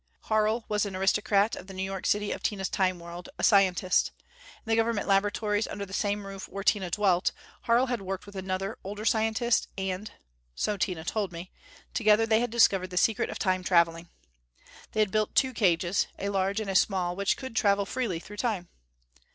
Harl was an aristocrat of the New York City of Tina's Time world, a scientist. In the Government laboratories, under the same roof where Tina dwelt, Harl had worked with another, older scientist, and so Tina told me together they had discovered the secret of Time traveling. They had built two cages, a large and a small, which could travel freely through Time.